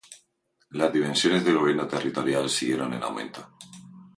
Las dimensiones del gobierno territorial siguieron en aumento.